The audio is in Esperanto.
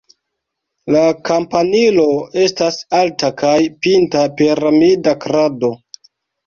La kampanilo estas alta kaj pinta piramida krado.